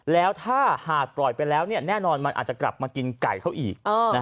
แล้วถ้าหากปล่อยไปแล้วแน่นอนมันอาจจะกลับมากินไก่เขาอีก